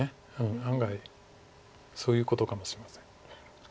案外そういうことかもしれません。